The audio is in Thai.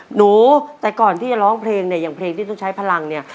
หนูแต่ก่อนที่จะร้องเพลงเนี่ยอย่างเพลงที่ต้องใช้พลังเนี่ย